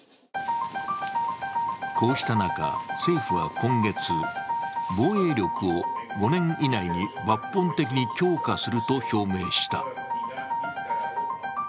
こうした中、政府は今月、防衛力を５年以内に抜本的に強化すると表明した。